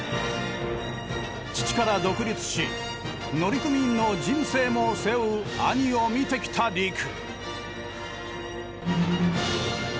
父から独立し乗組員の人生も背負う兄を見てきた陸。